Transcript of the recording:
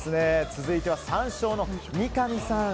続いては、３勝の三上さん。